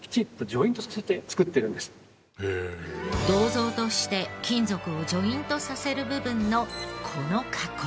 銅像として金属をジョイントさせる部分のこの加工。